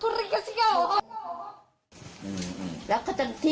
แล้วที่เขาจะแยกคือ